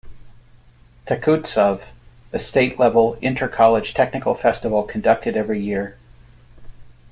Techutsav - a State level inter college technical festival conducted every year.